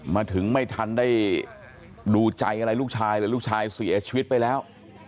มาถึงไม่ทันได้ดูใจอะไรลูกชายเลยลูกชายเสียชีวิตไปแล้ว